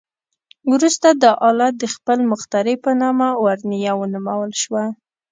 وروسته دا آله د خپل مخترع په نامه ورنیه ونومول شوه.